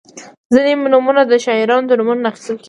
• ځینې نومونه د شاعرانو د نومونو نه اخیستل کیږي.